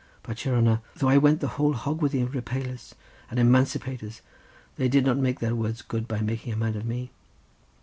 But, your hanner; though I went the whole hog with the repalers and emancipators, they did not make their words good by making a man of me.